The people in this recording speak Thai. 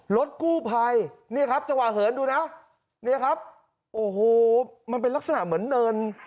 รถกู้ภัยนี่ครับจังหวะเหินดูนะเนี่ยครับโอ้โหมันเป็นลักษณะเหมือนเนิน